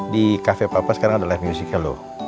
di kafe papa sekarang ada live musical loh